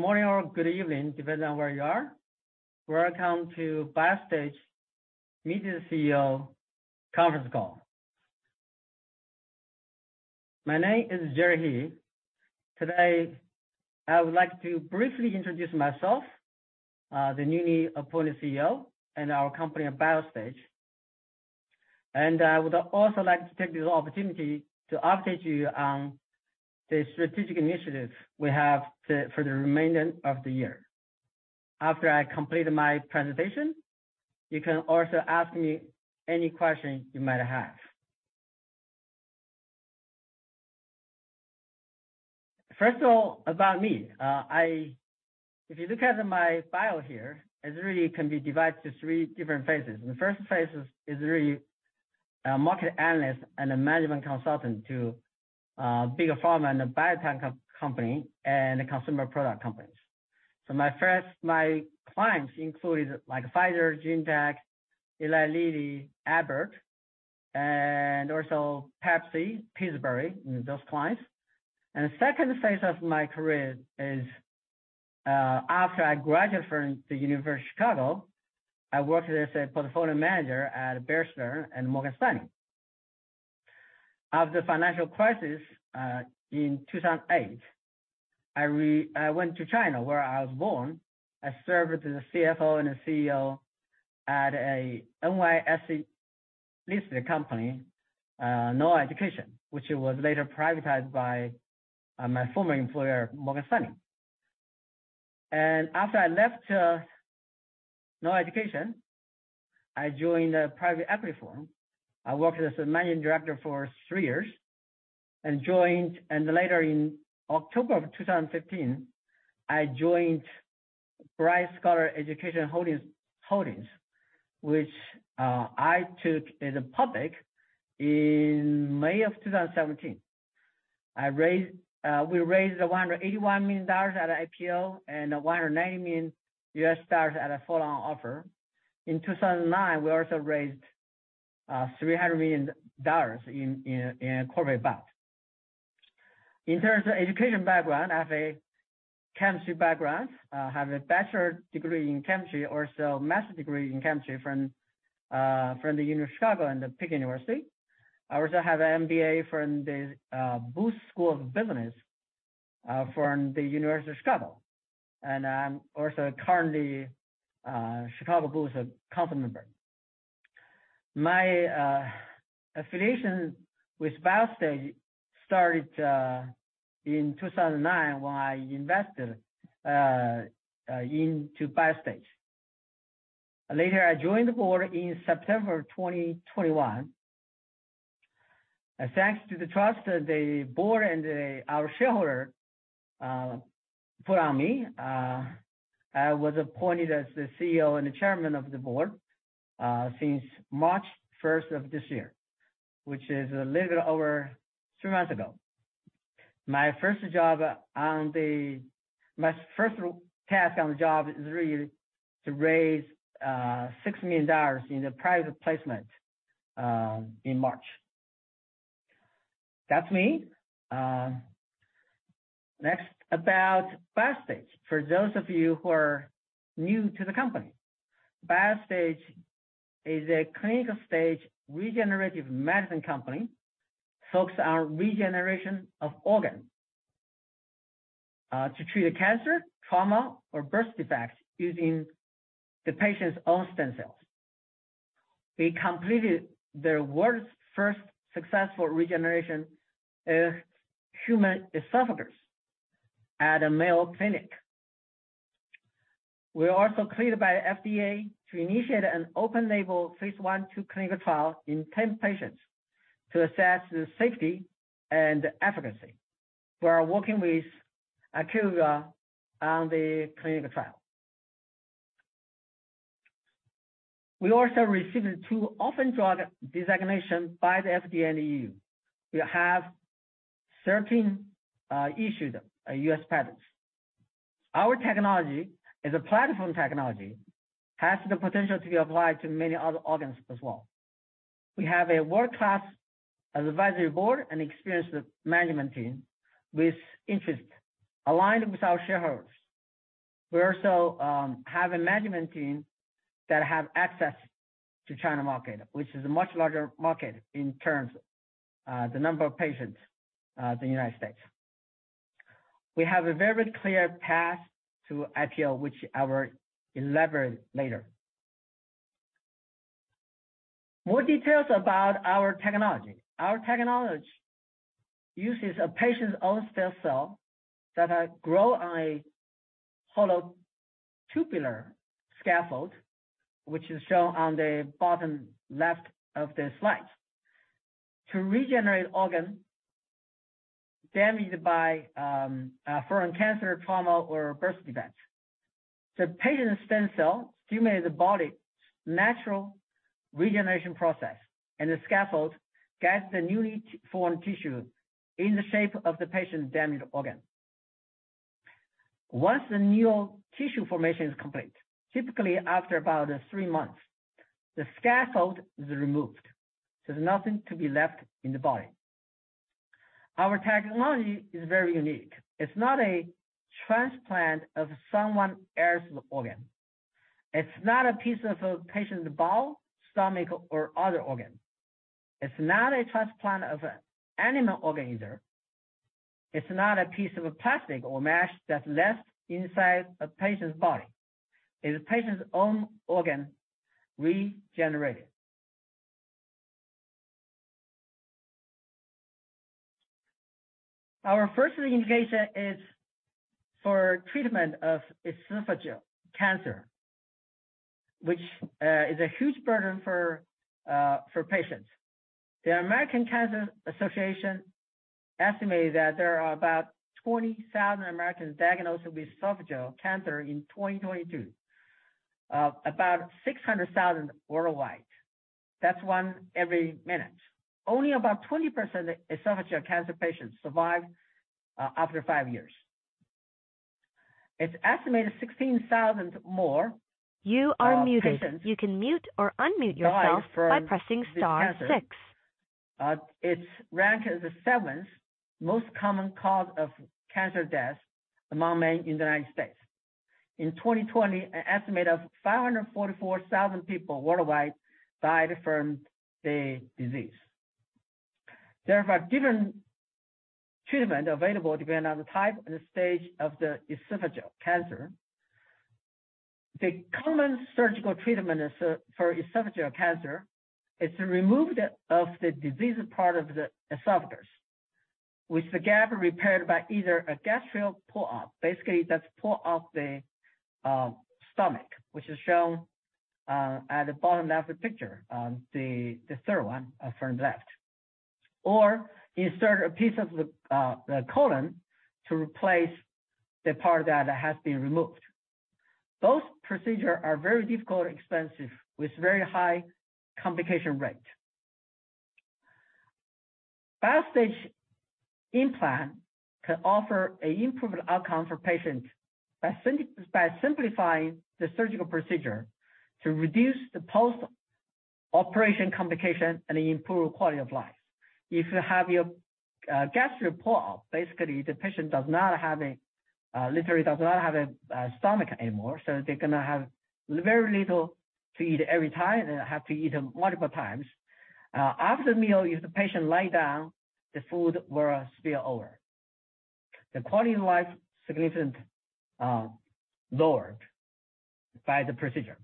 Good morning or good evening, depending on where you are. Welcome to Biostage Meet the CEO conference call. My name is Jerry He. Today, I would like to briefly introduce myself, the newly appointed CEO, and our company at Biostage. I would also like to take this opportunity to update you on the strategic initiatives we have for the remainder of the year. After I complete my presentation, you can also ask me any question you might have. First of all, about me. If you look at my bio here, it really can be divided into three different phases. The first phase is really a market analyst and a management consultant to big pharma and biotech company and consumer product companies. My clients included like Pfizer, Genentech, Eli Lilly, Abbott, and also Pepsi, Pillsbury, those clients. The second phase of my career is, after I graduated from the University of Chicago, I worked as a portfolio manager at Bear Stearns and Morgan Stanley. After the financial crisis, in 2008, I went to China, where I was born. I served as a CFO and a CEO at a NYSE Listed Company, New Education, which was later privatized by my former employer, Morgan Stanley. After I left New Education, I joined a private equity firm. I worked as a managing director for three years and later in October of 2015, I joined Bright Scholar Education Holdings, which I took as public in May of 2017. We raised $181 million at IPO and $190 million at a follow-on offer. In 2009, we also raised $300 million in corporate bonds. In terms of education background, I have a chemistry background. I have a bachelor degree in chemistry, also master's degree in chemistry from the University of Chicago and the Peking University. I also have an MBA from the Booth School of Business from the University of Chicago, and I'm also currently Chicago Booth's Council member. My affiliation with Biostage started in 2009, when I invested into Biostage. Later, I joined the board in September of 2021. Thanks to the trust the board and our shareholder, put on me, I was appointed as the CEO and the chairman of the board, since March first of this year, which is a little over two months ago. My first task on the job is really to raise $6 million in a private placement in March. That's me. Next, about Biostage. For those of you who are new to the company, Biostage is a clinical-stage regenerative medicine company, focus on regeneration of organs, to treat cancer, trauma, or birth defects using the patient's own stem cells. We completed the world's first successful regeneration of human esophagus at a Mayo Clinic. We were also cleared by the FDA to initiate an open-label phase I, phase II clinical trial in 10 patients to assess the safety and efficacy. We are working with [inaudible] on the clinical trial. We also received two orphan drug designation by the FDA and EU. We have 13 issued US patents. Our technology is a platform technology, has the potential to be applied to many other organs as well. We have a world-class advisory board and experienced management team with interests aligned with our shareholders. We also have a management team that have access to China market, which is a much larger market in terms of the number of patients than United States. We have a very clear path to IPO, which I will elaborate later. More details about our technology. Our technology uses a patient's own stem cell that are grown on a hollow tubular scaffold, which is shown on the bottom left of the slide, to regenerate organ damaged by, from cancer, trauma, or birth defects. The patient's stem cell stimulates the body's natural regeneration process, the scaffold guides the newly formed tissue in the shape of the patient's damaged organ. Once the new tissue formation is complete, typically after about three months, the scaffold is removed, there's nothing to be left in the body. Our technology is very unique. It's not a transplant of someone else's organ. It's not a piece of a patient's bowel, stomach, or other organ. It's not a transplant of an animal organ either. It's not a piece of a plastic or mesh that's left inside a patient's body. It's a patient's own organ regenerated. Our first indication is for treatment of esophageal cancer, which is a huge burden for patients. The American Cancer Society estimated that there are about 20,000 Americans diagnosed with esophageal cancer in 2022, about 600,000 worldwide. That's one every minute. Only about 20% of esophageal cancer patients survive after five years. It's estimated 16,000 more patients. You are muted. You can mute or unmute yourself by pressing star six. It's ranked as the seventh most common cause of cancer deaths among men in the United States. In 2020, an estimate of 544,000 people worldwide died from the disease. There are different treatments available depending on the type and the stage of the esophageal cancer. The common surgical treatment for esophageal cancer is to remove the diseased part of the esophagus, with the gap repaired by either a gastric pull-up. Basically, that's pull up the stomach, which is shown at the bottom of the picture, the third one from left. Or insert a piece of the colon to replace the part that has been removed. Those procedures are very difficult, expensive, with very high complication rate. Biostage implant can offer an improved outcome for patients by simplifying the surgical procedure to reduce the post-operation complication and improve quality of life. If you have your gastric pull-up, basically the patient does not have a, literally does not have a stomach anymore, they're gonna have very little to eat every time, they have to eat multiple times. After the meal, if the patient lie down, the food will spill over. The quality of life significant lowered by the procedure.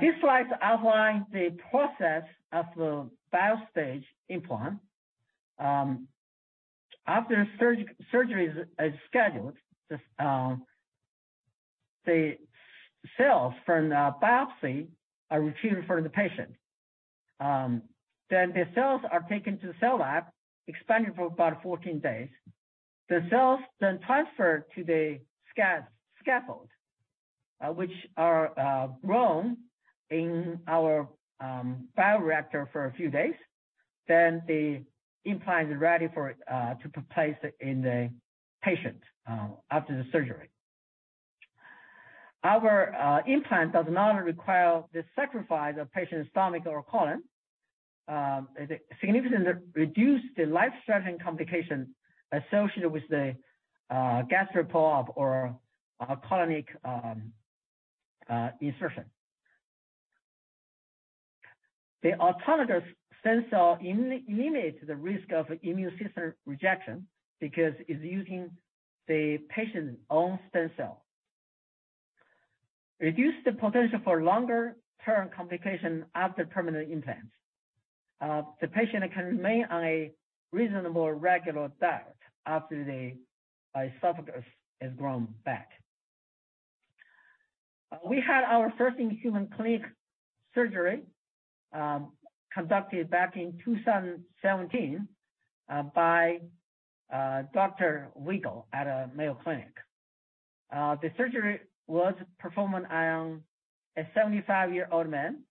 This slide outlines the process of the Biostage implant. After surgery is scheduled, the cells from the biopsy are retrieved from the patient. The cells are taken to the cell lab, expanded for about 14 days. The cells transfer to the scaffold, which are grown in our bioreactor for a few days. The implant is ready for to place in the patient after the surgery. Our implant does not require the sacrifice of patient's stomach or colon, it significantly reduce the life-threatening complications associated with the gastric pull-up or colonic insertion. The autonomous stem cell eliminate the risk of immune system rejection because it's using the patient's own stem cell. Reduce the potential for longer-term complications after permanent implant. The patient can remain on a reasonable, regular diet after the esophagus is grown back. We had our first in-human clinic surgery, conducted back in 2017, by Dr. Wigle at a Mayo Clinic. The surgery was performed on a 75 year old man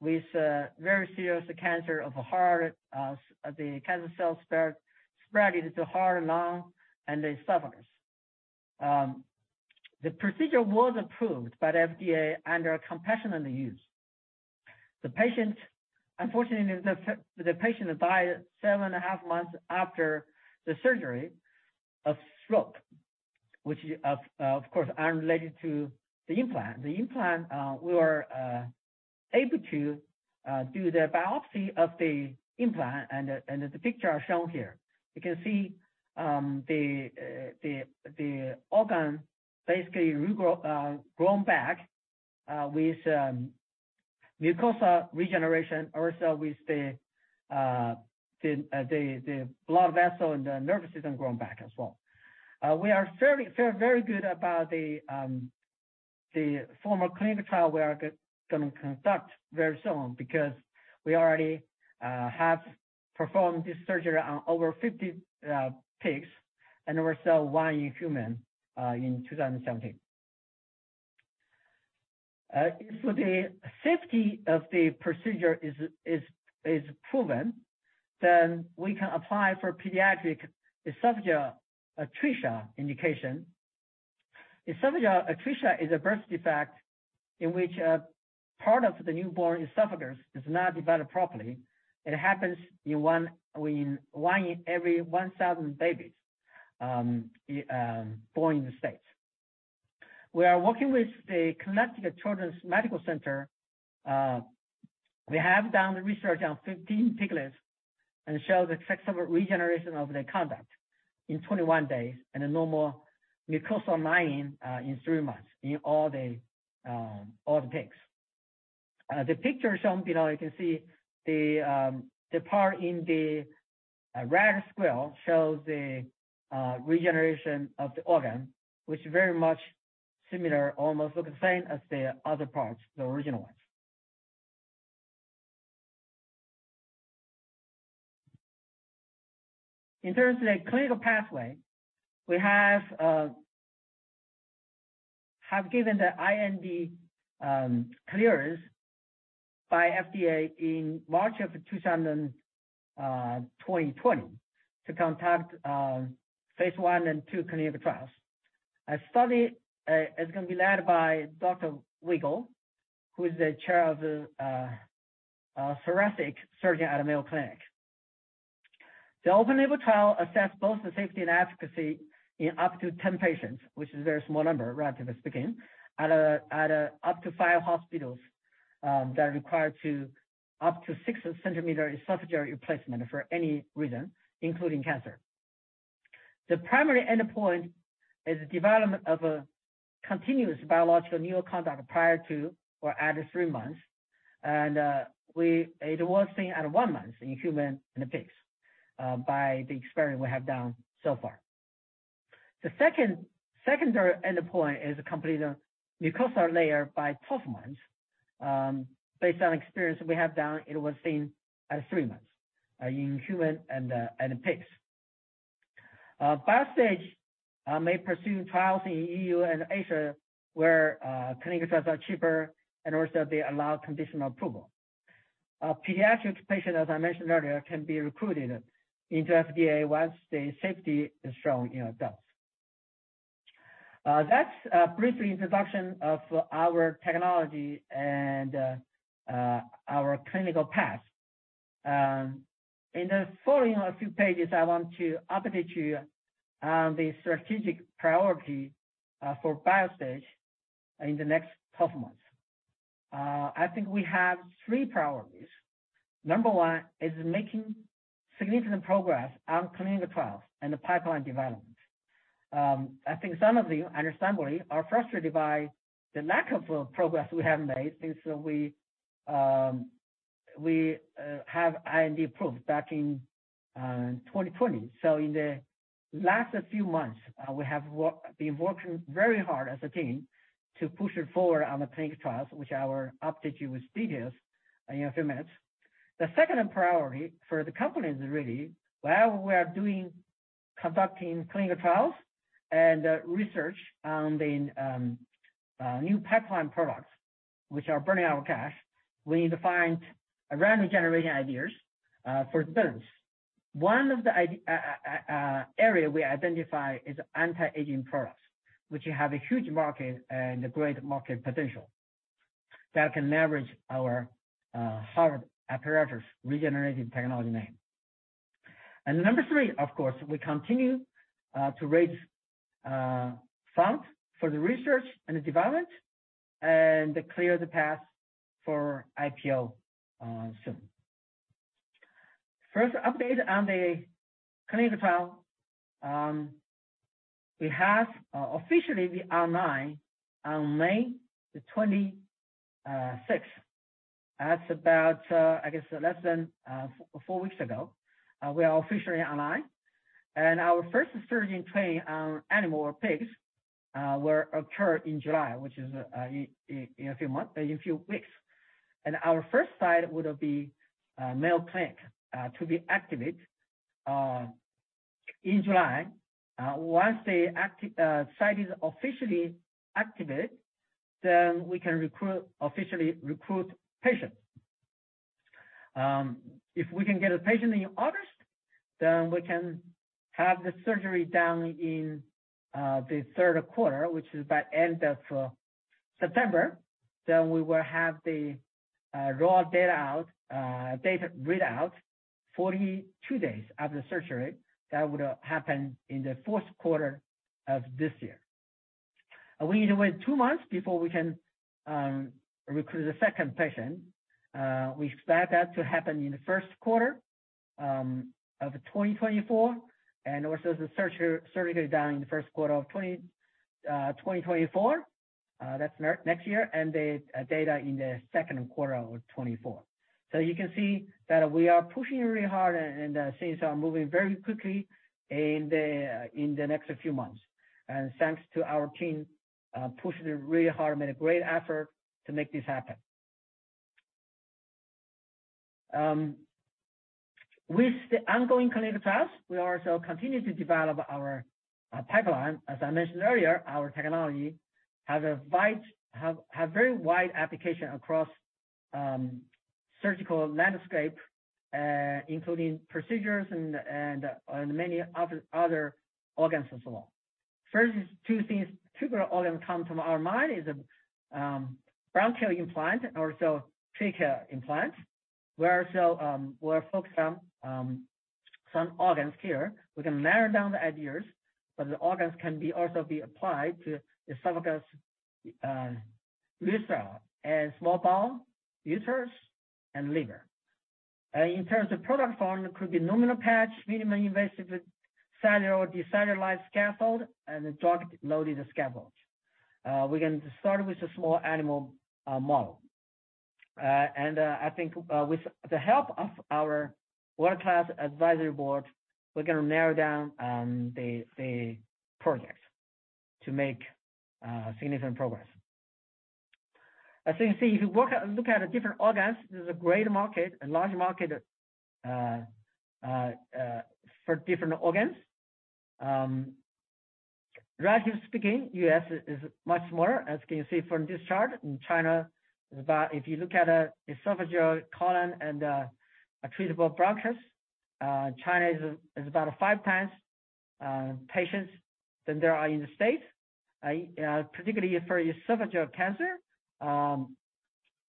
with a very serious cancer of the heart. The cancer cells spread into heart, lung, and the esophagus. The procedure was approved by the FDA under compassionate use. The patient, unfortunately, the patient died seven and a half months after the surgery of stroke, which is of course unrelated to the implant. The implant, we were able to do the biopsy of the implant, and the picture are shown here. You can see the organ basically regrow, grown back with mucosa regeneration, also with the blood vessel and the nervous system grown back as well. We feel very good about the formal clinical trial we are gonna conduct very soon because we already have performed this surgery on over 50 pigs and also one in human in 2017. If the safety of the procedure is proven, we can apply for pediatric esophageal atresia indication. Esophageal atresia is a birth defect in which part of the newborn esophagus is not developed properly. It happens in one in every 1,000 babies born in the States. We are working with the Connecticut Children's Medical Center. We have done research on 15 piglets and show the successful regeneration of the conduct in 21 days and a normal mucosal lining in three months in all the pigs. The picture shown below, you can see the part in the red square shows the regeneration of the organ, which is very much similar, almost look the same as the other parts, the original ones. In terms of the clinical pathway, we have given the IND clearance by FDA in March of 2020 to conduct phase I and phase II clinical trials. A study is going to be led by Dr. Wigle, who is the chair of thoracic surgery at Mayo Clinic. The open-label trial assess both the safety and efficacy in up to 10 patients, which is a very small number, relatively speaking, at a up to five hospitals that are required to up to six centimeter esophageal replacement for any reason, including cancer. The primary endpoint is development of a continuous biological neo-conduit prior to or at three months. It was seen at 1 month in human and pigs by the experiment we have done so far. The second, secondary endpoint is completed mucosal layer by 12 months. Based on experience we have done, it was seen at three months in human and in pigs. Harvard Apparatus Regenerative Technology may pursue trials in EU and Asia, where clinical trials are cheaper and also they allow conditional approval. A pediatric patient, as I mentioned earlier, can be recruited into FDA once the safety is shown in adults. That's a brief introduction of our technology and our clinical path. In the following few pages, I want to update you on the strategic priority for Harvard Apparatus Regenerative Technology in the next 12 months. I think we have three priorities. Number one is making significant progress on clinical trials and the pipeline development. I think some of you, understandably, are frustrated by the lack of progress we have made since we have IND approved back in 2020. In the last few months, we have been working very hard as a team to push it forward on the clinical trials, which I will update you with details in a few minutes. The second priority for the company is really, while we are conducting clinical trials and research on the new pipeline products, which are burning our cash, we need to find revenue-generating ideas for returns. One of the idea area we identify is anti-aging products, which have a huge market and a great market potential that can leverage our Harvard Apparatus Regenerative Technology name. Number three, of course, we continue to raise funds for the research and the development and clear the path for IPO soon. First update on the clinical trial. We have officially be online on 26th May. That's about I guess less than four weeks ago. We are officially online, and our first surgery in training on animal or pigs will occur in July, which is in a few months, in a few weeks. And our first site would be Mayo Clinic to be activate in July. Once the site is officially activated, we can recruit, officially recruit patients. If we can get a patient in August, we can have the surgery done in the Q3, which is by end of September. We will have the raw data out, data read out 42 days after the surgery. That would happen in the Q4 of this year. We need to wait two months before we can recruit the second patient. We expect that to happen in the Q1 of 2024, and also the surgery done in the Q1 of 2024. That's next year, and the data in the Q2 of 2024. You can see that we are pushing really hard and things are moving very quickly in the next few months. Thanks to our team, pushing really hard, made a great effort to make this happen. With the ongoing clinical trials, we also continue to develop our pipeline. As I mentioned earlier, our technology have a wide, have very wide application across surgical landscape, including procedures and many other organs as well. First two things, two organs come to our mind is bronchial implant or trachea implant, we're focused on some organs here. We can narrow down the ideas, but the organs can be also be applied to esophagus, larynx, and small bowel, users and liver. In terms of product form, it could be luminal patch, minimally invasive cellular, decellularized scaffold, and the drug-loaded scaffold. We can start with a small animal model. I think with the help of our world-class advisory board, we're gonna narrow down the project to make significant progress. As you can see, if you look at the different organs, this is a great market, a large market for different organs. Relatively speaking, US is much smaller, as you can see from this chart. In China, about if you look at esophageal, colon and treatable bronchus, China is about five times patients than there are in the States. Particularly for esophageal cancer,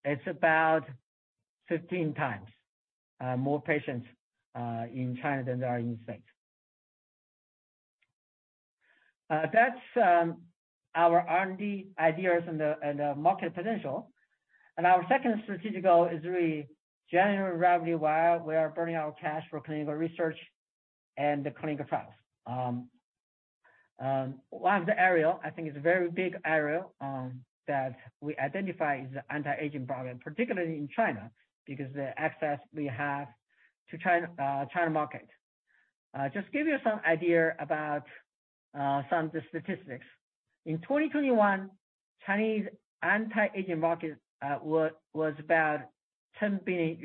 it's about 15 times more patients in China than there are in the States. That's our R&D ideas and the market potential. Our second strategic goal is really generate revenue while we are burning our cash for clinical research and the clinical trials. One of the area, I think it's a very big area, that we identify is the anti-aging problem, particularly in China, because the access we have to China market. Just give you some idea about some of the statistics. In 2021, Chinese anti-aging market was about $10 billion,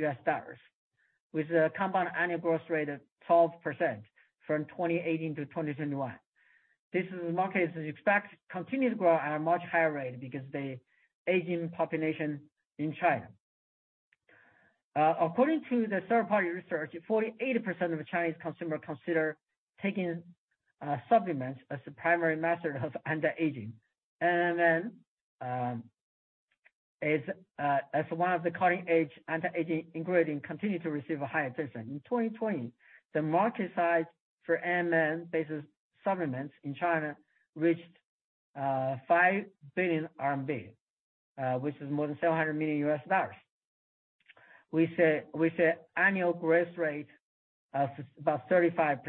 with a compound annual growth rate of 12% from 2018 to 2021. This is the market is expected to continue to grow at a much higher rate because the aging population in China. According to the third-party research, 48% of Chinese consumers consider taking supplements as a primary method of anti-aging. As one of the cutting-edge anti-aging ingredients continue to receive a high attention. In 2020, the market size for NMN-based supplements in China reached 5 billion RMB, which is more than $700 million. We say annual growth rate of about 35%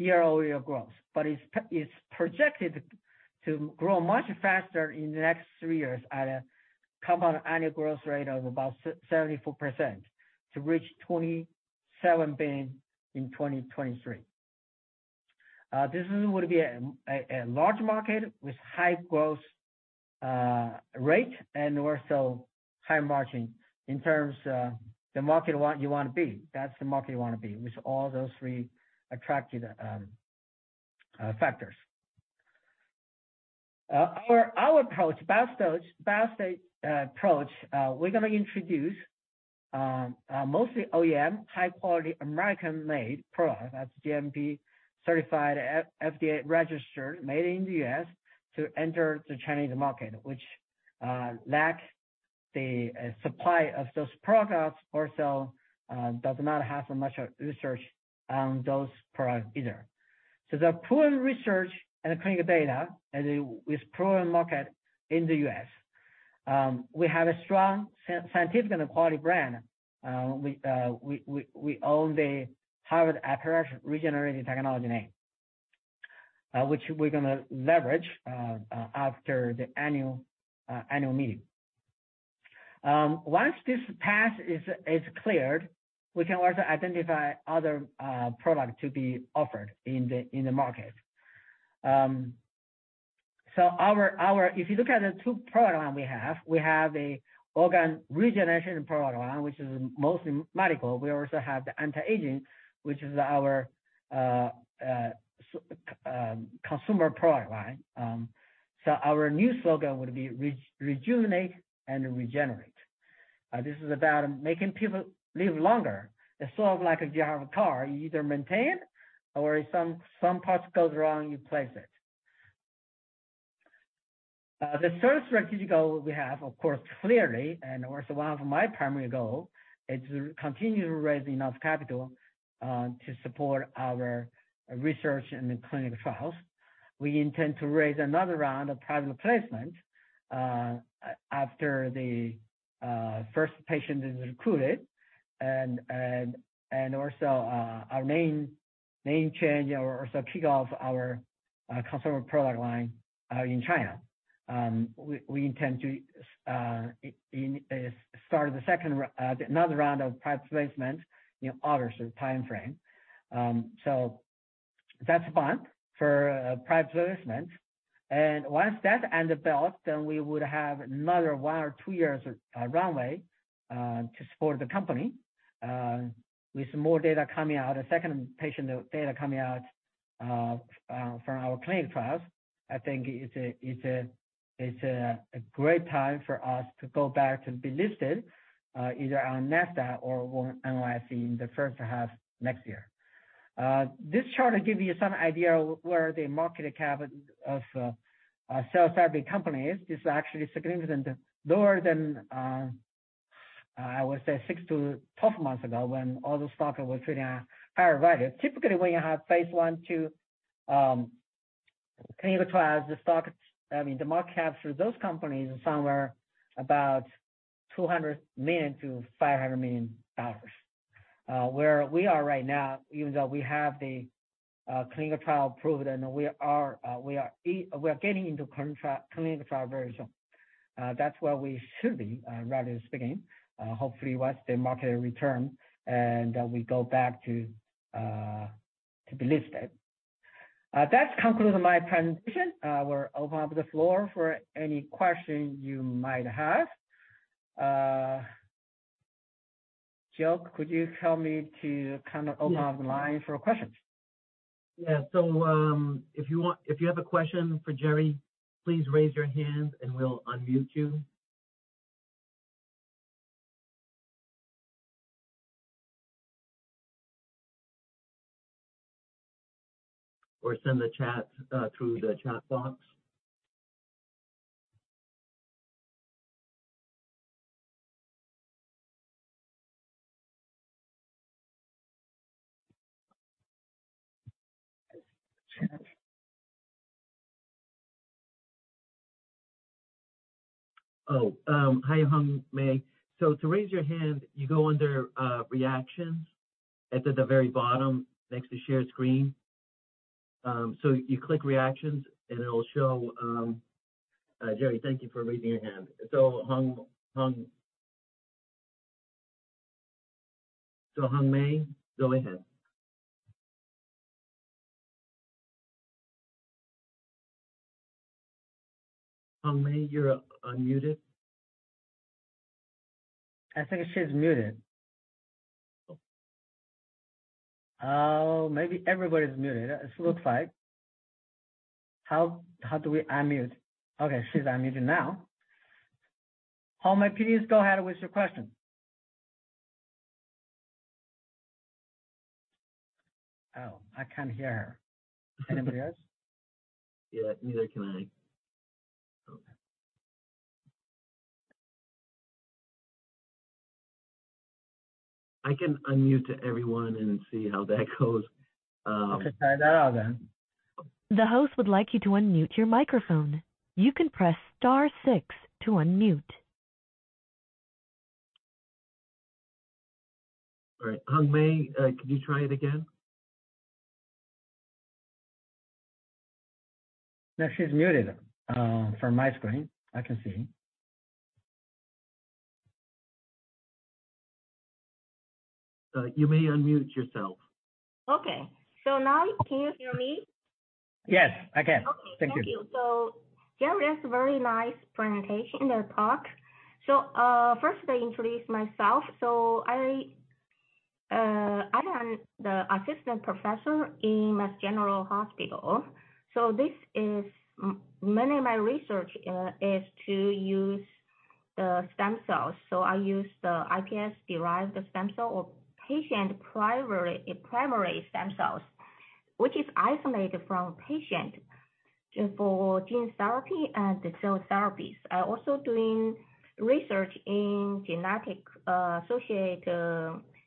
year-over-year growth, it's projected to grow much faster in the next three years at a compound annual growth rate of about 74% to reach 27 billion in 2023. This would be a large market with high growth rate and also high margin in terms of the market what you want to be. That's the market you want to be with all those three attractive factors. For our approach, Biostage approach, we're gonna introduce mostly OEM, high-quality, American-made product. That's GMP certified, FDA registered, made in the US to enter the Chinese market, which lack the supply of those products, or so does not have so much research on those products either. The proven research and the clinical data, and with proven market in the US, we have a strong scientific and quality brand. We own the Harvard Apparatus Regenerative Technology name, which we're gonna leverage after the annual meeting. Once this path is cleared, we can also identify other product to be offered in the market. If you look at the two program we have, we have a organ regeneration program, which is mostly medical. We also have the anti-aging, which is our consumer product line. Our new slogan would be Rejuvenate and Regenerate. This is about making people live longer. It's sort of like if you have a car, you either maintain or if some parts goes wrong, you replace it. The third strategic goal we have, of course, clearly, and also one of my primary goal, is to continue to raise enough capital to support our research and the clinical trials. We intend to raise another round of private placement after the first patient is recruited, and also our main change or also kick off our consumer product line in China. We intend to start the second round, another round of private placement in August timeframe. That's fine for private placement. Once that's under belt, then we would have another one or two years of runway to support the company. With more data coming out, a second patient data coming out from our clinical trials, I think it's a great time for us to go back to be listed either on NASDAQ or NYSE in the first half next year. This chart will give you some idea of where the market cap of a cell therapy company is. This is actually significant, lower than, I would say six to 12 months ago, when all the stock was trading at higher value. Typically, when you have phase I, phase II clinical trials, the stock, I mean, the market caps for those companies is somewhere about $200 million to $500 million. Where we are right now, even though we have the clinical trial approved, and we are getting into contract clinical trial very soon, that's where we should be, relatively speaking, hopefully, once the market return and we go back to to be listed. That concludes my presentation. We're open up the floor for any questions you might have. Joe, could you help me to kind of open up the line for questions? Yes. Yeah. If you have a question for Jerry, please raise your hand and we'll unmute you. Send the chat through the chat box. Hi, Hong Wu. To raise your hand, you go under Reactions. It's at the very bottom, next to Share Screen. You click Reactions, and it'll show. Jerry, thank you for raising your hand. Hong Wu, go ahead. Hong Wu, you're unmuted. I think she's muted. Oh, maybe everybody's muted, it looks like. How do we unmute? Okay, she's unmuted now. Hong Wu, please go ahead with your question. Oh, I can't hear her. Anybody else? Yeah, neither can I. Okay. I can unmute everyone and see how that goes. Okay, try that out then. The host would like you to unmute your microphone. You can press star six to unmute. All right. Hong Wu, could you try it again? No, she's muted, from my screen. I can see. You may unmute yourself. Okay. Now can you hear me? Yes, I can. Okay. Thank you. Thank you. Jerry, that's a very nice presentation and talk. First, I introduce myself. I am the assistant professor in Mass General Hospital. This is many of my research is to use the stem cells. I use the IPS-derived stem cell or patient primary stem cells, which is isolated from patient, for gene therapy and the cell therapies. I also doing research in genetic associate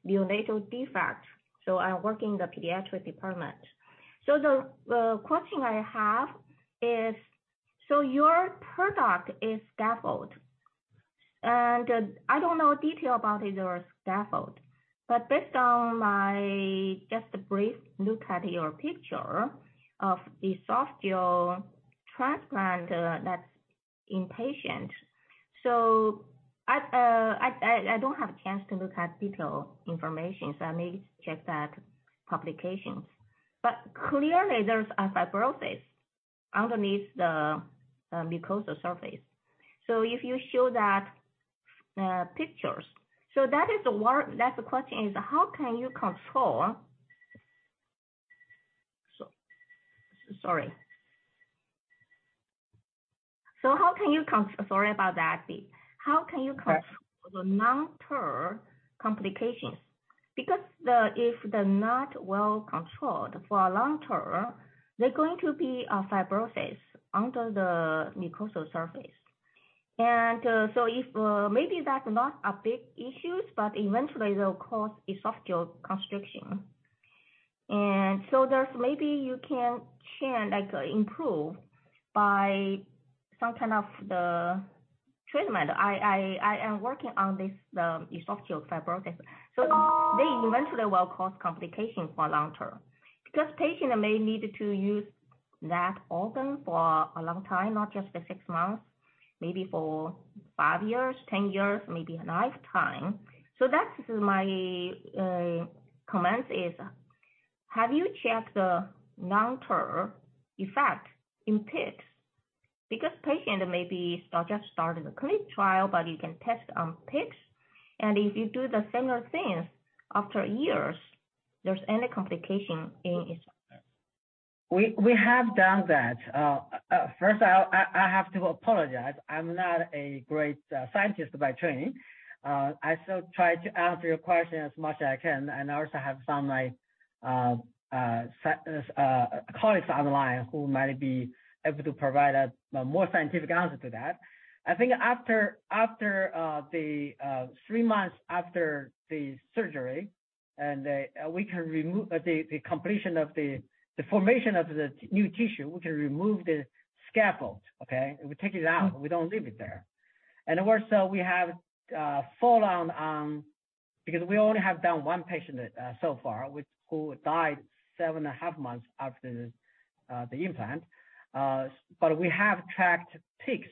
neonatal defects. I work in the pediatric department. The question I have is, your product is scaffold, and I don't know detail about your scaffold, but based on my just a brief look at your picture of esophageal transplant, that's in patient. I don't have a chance to look at detail information. I maybe check that publications. Clearly, there's a fibrosis underneath the mucosa surface. If you show that pictures. That is the word, that's the question is: How can you control? Sure. The long-term complications? If they're not well controlled for long term, there going to be a fibrosis under the mucosal surface. If maybe that's not a big issues, eventually they'll cause esophageal constriction. There's maybe you can, like, improve by some kind of the treatment. I am working on this, the esophageal fibrosis. They eventually will cause complications for long term, because patient may need to use that organ for a long time, not just for six months, maybe for five years, 10 years, maybe a lifetime. That's my comments is, have you checked the long-term effect in pit? Because patient may be just starting the clinical trial, but you can test on pigs. If you do the similar things after years, there's any complication in it? We have done that. First, I have to apologize. I'm not a great scientist by training. I still try to answer your question as much as I can, and I also have some of my colleagues online who might be able to provide a more scientific answer to that. I think after the three months after the surgery, and we can remove the completion of the formation of the new tissue, we can remove the scaffold. Okay? We take it out, we don't leave it there. Also, we have follow on, because we only have done one patient so far, which, who died seven and a half months after the implant. We have tracked pigs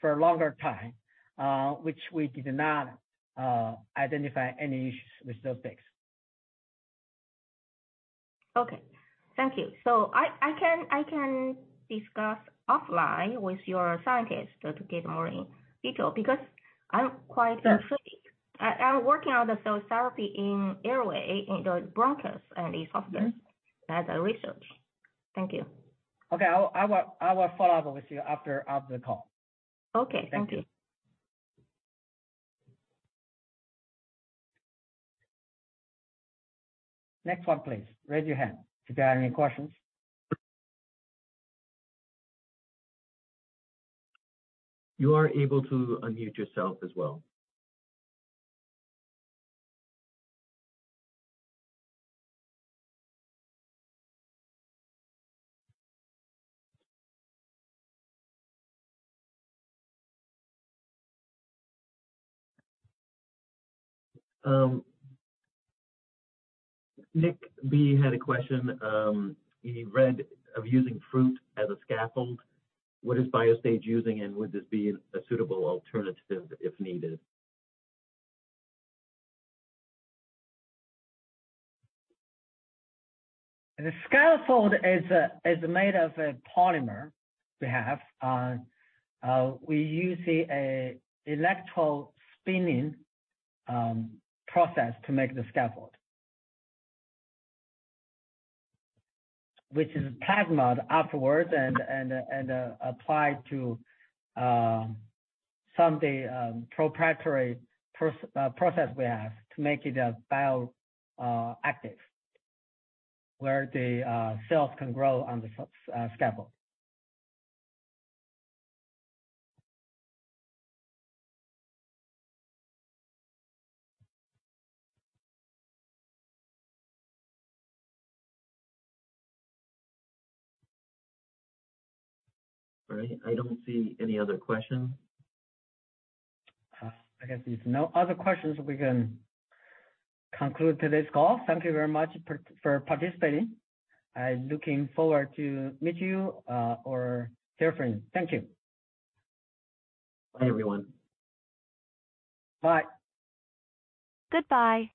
for a longer time, which we did not identify any issues with those pigs. Okay. Thank you. I can discuss offline with your scientist to get more in detail because I'm quite interested. Sure. I'm working on the cell therapy in airway, in the bronchus and esophagus as a research. Thank you. Okay. I will follow up with you after the call. Okay. Thank you. Thank you. Next one, please raise your hand if you have any questions. You are able to unmute yourself as well. Nick B had a question. He read of using fruit as a scaffold. What is Biostage using, and would this be a suitable alternative if needed? The scaffold is made of a polymer we have. We use an electrospinning process to make the scaffold, which is plasma afterwards and applied to some of the proprietary process we have to make it a bioactive, where the cells can grow on the scaffold. All right. I don't see any other questions. I guess if no other questions, we can conclude today's call. Thank you very much part, for participating. I looking forward to meet you, or hear from you. Thank you. Bye, everyone. Bye. Goodbye.